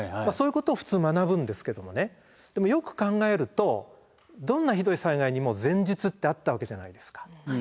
そういうことを普通学ぶんですけどもねでもよく考えるとどんなひどい災害にも前日ってあったわけじゃないですか。